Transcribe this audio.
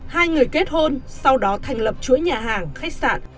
hai người kết hôn sau đó thành lập chuỗi nhà hàng khách sạn